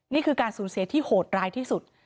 นี่คือการสูญเสียที่โหดร้ายที่สุด